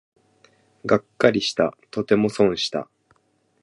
がっかりした、とても損した